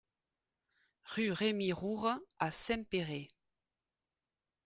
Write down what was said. Rue Rémy Roure à Saint-Péray